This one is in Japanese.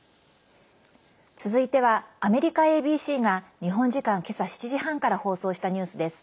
続いては、アメリカＡＢＣが日本時間けさ７時半から放送したニュースです。